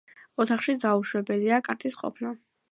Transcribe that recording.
ოთახში დაუშვებელია კატის ყოფნა.